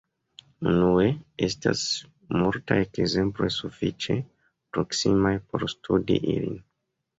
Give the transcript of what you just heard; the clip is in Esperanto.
Unue, estas multaj ekzemploj sufiĉe proksimaj por studi ilin.